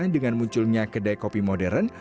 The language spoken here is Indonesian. dengan munculnya kedai kopi modern